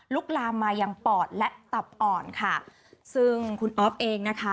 ลามมายังปอดและตับอ่อนค่ะซึ่งคุณอ๊อฟเองนะคะ